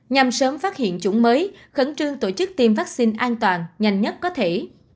nhằm sớm phát hiện chủng mới khẩn trương tổ chức tiêm vaccine an toàn nhanh nhất có thể